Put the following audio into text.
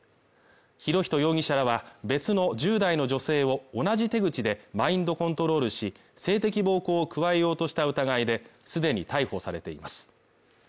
博仁容疑者は、別の１０代の女性を同じ手口でマインドコントロールし、性的暴行を加えようとした疑いで既に逮捕されています。